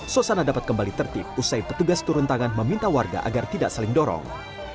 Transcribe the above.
suasana dapat kembali tertib usai petugas turun tangan meminta warga agar tidak saling dorong